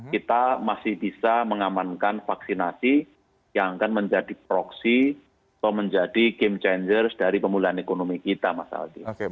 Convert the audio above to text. kita masih bisa mengamankan vaksinasi yang akan menjadi proksi atau menjadi game changers dari pemulihan ekonomi kita mas aldi